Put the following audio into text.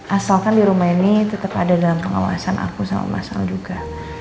asalkan dirumah ini tetap ada dalam pengawasan aku sama mas al juga